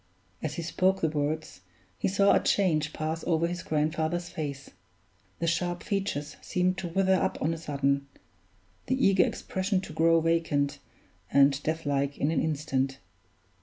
As he spoke the words, he saw a change pass over his grandfather's face the sharp features seemed to wither up on a sudden; the eager expression to grow vacant and death like in an instant.